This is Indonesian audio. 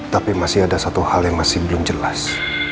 tapi masih ada satu hal yang masih belum jelas